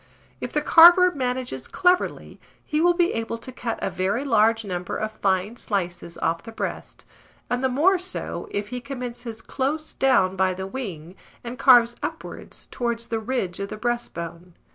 If the carver manages cleverly, he will be able to cut a very large number of fine slices off the breast, and the more so if he commences close down by the wing, and carves upwards towards the ridge of the breastbone.